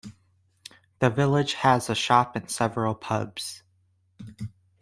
The village has a shop and several pubs.